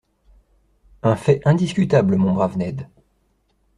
—Un fait indiscutable, mon brave Ned.